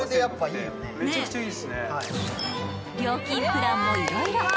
料金プランはいろいろ。